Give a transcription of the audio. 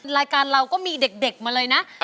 รายการเราก็มีเด็กมาเลยนะ